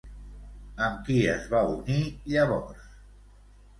Amb qui es va unir llavors?